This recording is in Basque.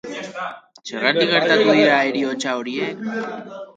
Zergatik gertatu dira heriotza horiek?